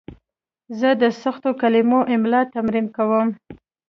زه د سختو کلمو املا تمرین کوم.